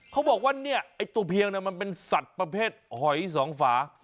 เขาบอกว่าเนี่ยไอ้ตัวเพียงมันเป็นสัตว์ประเภทหอยสองฝา